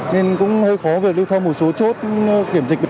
nên cũng hơi khó việc lưu thông một số chốt kiểm dịch được